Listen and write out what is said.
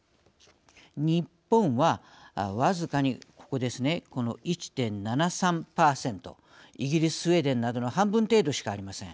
日本は僅かにここですね１．７３％イギリススウェーデンなどの半分程度しかありません。